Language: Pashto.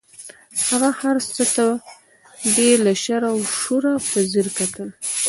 هغه هر څه ته بې له شر او شوره په ځیر کتل.